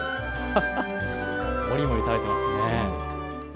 もりもり食べてますね。